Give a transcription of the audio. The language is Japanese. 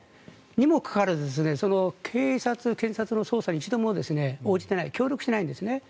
にもかかわらず警察、検察の捜査に一度も応じていない協力していないんですね。